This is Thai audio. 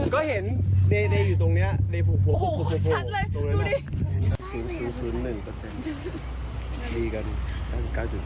ก็เห็นเนยนะนี่ตรงเนี้ย